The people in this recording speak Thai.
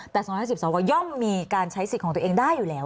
แต่๒๕๐สวย่อมมีการใช้สิทธิ์ของตัวเองได้อยู่แล้ว